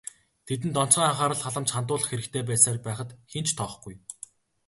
Тэдэнд онцгой анхаарал халамж хандуулах хэрэгтэй байсаар байхад хэн ч тоохгүй.